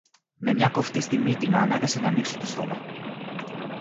Με μια κοφτή στη μύτη, με ανάγκασε ν' ανοίξω το στόμα